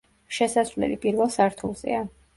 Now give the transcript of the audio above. შესასვლელი პირველ სართულზეა.